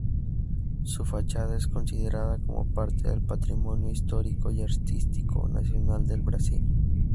Su fachada es considerada como parte del Patrimonio Histórico y Artístico Nacional del Brasil.